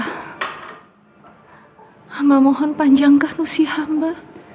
hamba mohon panjangkan usia hamba